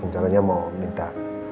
caranya mau minta